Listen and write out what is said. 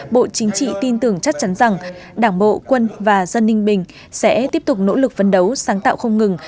bộ chính trị tin tưởng chắc chắn rằng đảng bộ quân và dân ninh bình sẽ tiếp tục nỗ lực phấn đấu sáng tạo không ngừng